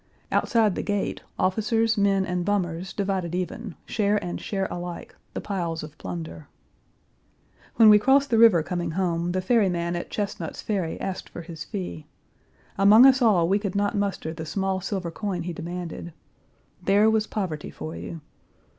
Outside the gate officers, men, and bummers divided even, share and share alike, the piles of plunder. When we crossed the river coming home, the ferry man at Chesnut's Ferry asked for his fee. Among us all we could not muster the small silver coin he demanded. There was poverty for you.